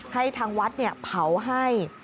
ให้ทางวัดเผาให้